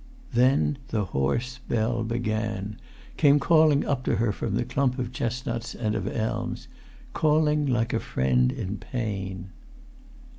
Then the hoarse bell began—came calling up to her from the clump of chestnuts and of elms—calling like a friend in pain